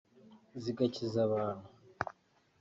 zigakiza abantu